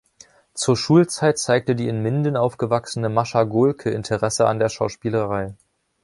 Zur Schulzeit zeigte die in Minden aufgewachsene Mascha Gohlke Interesse an der Schauspielerei.